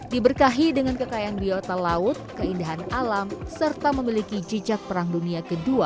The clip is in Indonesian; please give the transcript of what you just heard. diberkahi dengan kekayaan biota laut keindahan alam serta memiliki jejak perang dunia ke dua